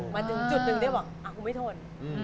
มาถึงจุดหนึ่งได้หวังอ่าคุณไม่ทน